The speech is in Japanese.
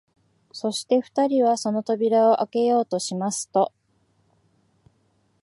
そして二人はその扉をあけようとしますと、